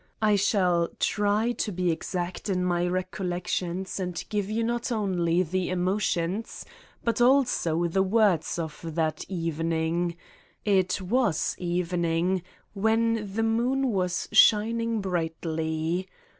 I shall try to be exact in My recollections and give you not only the emotions but also the words of that evening it was evening, when the moon was shining brightly.